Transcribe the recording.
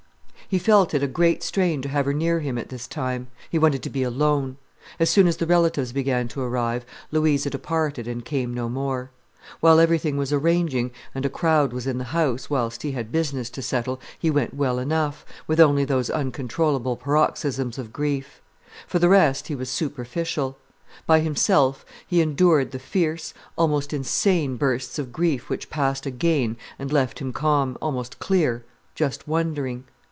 He felt it a great strain to have her near him at this time. He wanted to be alone. As soon as the relatives began to arrive, Louisa departed and came no more. While everything was arranging, and a crowd was in the house, whilst he had business to settle, he went well enough, with only those uncontrollable paroxysms of grief. For the rest, he was superficial. By himself, he endured the fierce, almost insane bursts of grief which passed again and left him calm, almost clear, just wondering.